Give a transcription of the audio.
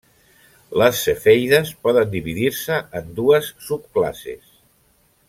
Les cefeides poden dividir-se en dues subclasses.